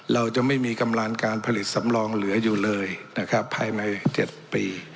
เราจะไม่มีกำลังการผลิตสำรองเหลืออยู่เลยนะครับภายใน๗ปี